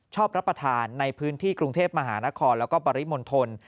รับประทานในพื้นที่กรุงเทพมหานครแล้วก็ปริมณฑล